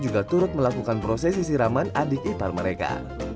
juga turut melakukan prosesi siraman adik ipar mereka